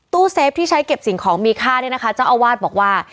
เซฟที่ใช้เก็บสิ่งของมีค่าเนี่ยนะคะเจ้าอาวาสบอกว่า